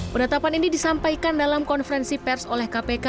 penetapan ini disampaikan dalam konferensi pers oleh kpk